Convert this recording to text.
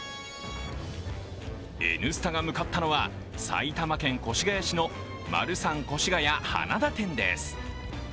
「Ｎスタ」が向かったのは埼玉県越谷市のマルサン越谷花田店です。